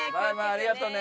ありがとうね。